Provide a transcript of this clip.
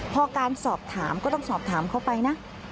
พอการสอบถามก็ต้องสอบถามเขาไปนะ